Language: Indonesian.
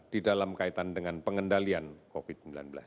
di dalam kaitan dengan pengendalian covid sembilan belas